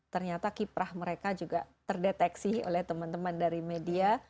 ternyata kiprah mereka juga terdeteksi oleh teman teman dari media